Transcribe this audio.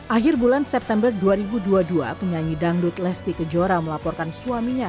akhir bulan september dua ribu dua puluh dua penyanyi dangdut lesti kejora melaporkan suaminya